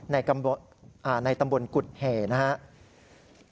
ในตำบลกุฎแห่นะครับ